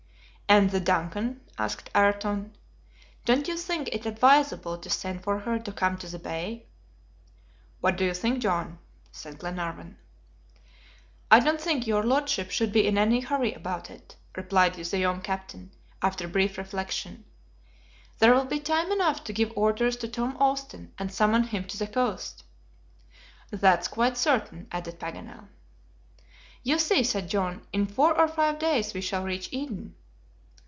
"And the DUNCAN?" asked Ayrton. "Don't you think it advisable to send for her to come to the bay?" "What do you think, John?" said Glenarvan. "I don't think your lordship should be in any hurry about it," replied the young captain, after brief reflection. "There will be time enough to give orders to Tom Austin, and summon him to the coast." "That's quite certain," added Paganel. "You see," said John, "in four or five days we shall reach Eden."